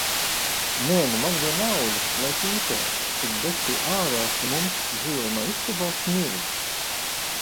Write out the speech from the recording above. Nē, nu man vienalga, lai pīpē, tik besī ārā, ka mums dzīvojamā istabā smird.